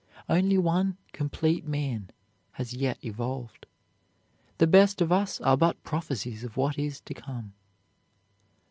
Only one complete man has yet evolved. The best of us are but prophesies of what is to come.